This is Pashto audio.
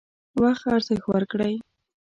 وخت ارزښت ورکړئ